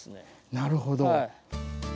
なるほど。